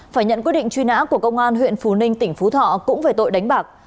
phải nhận quyết định truy nã của công an huyện phú ninh tỉnh phú thọ cũng về tội đánh bạc